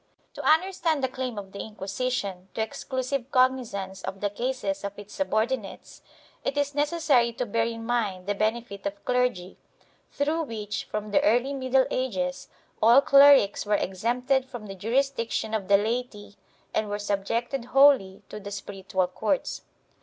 To understand the claim of the Inquisition to exclusive cog nizance of the cases of its subordinates it is necessary to bear in mind the benefit of clergy, through which, from the early middle ages, all clerics were exempted from the jurisdiction of the laity and were subjected wholly to the spiritual courts.